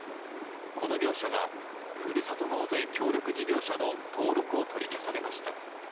この業者はふるさと納税協力事業者の登録を取り消されました。